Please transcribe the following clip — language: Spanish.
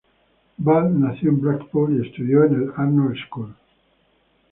Ball nació en Blackpool y estudió en el Arnold School.